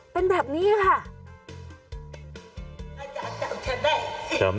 เป็นแบบนี้ค่ะ